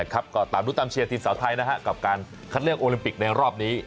ก็ตามรู้ตามเชียร์ทีมสาวไทยกับการคัดเลือกโอลิมปิกในรอบนี้